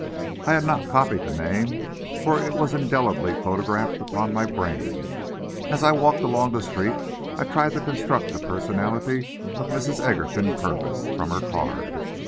I had not copied the name, for it was indelibly photographed upon my brain. As I walked along the street I tried to construct the personality of Mrs. Egerton Purvis from her card.